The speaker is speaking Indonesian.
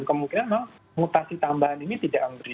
kemungkinan mutasi tambahan ini tidak akan berhasil